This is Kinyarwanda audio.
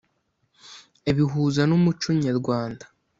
abihuza n' umuco nyarwanda.